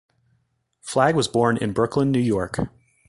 Flagg was born in Brooklyn, New York.